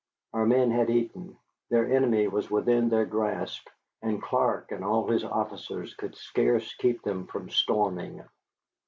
Our men had eaten, their enemy was within their grasp and Clark and all his officers could scarce keep them from storming.